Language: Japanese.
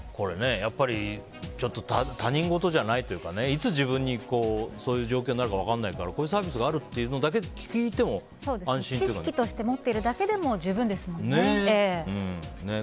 やっぱり他人事じゃないというかいつ自分がそういう状況になるか分からないからこういうサービスがあるっていうのだけ聞いても知識として持ってるだけでも十分ですもんね。